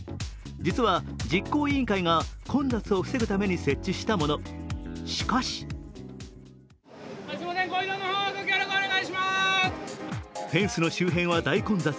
実は実行委員会が混雑を防ぐために設置したもの、しかしフェンスの周辺は大混雑。